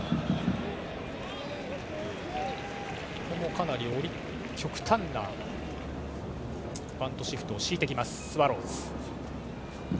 かなり極端なバントシフトを敷いてくるスワローズ。